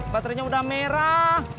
baterainya udah merah